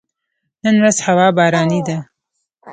نن ورځ هوا باراني ده